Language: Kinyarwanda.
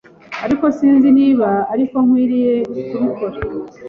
ariko sinzi niba ariko nkwiriye kubikora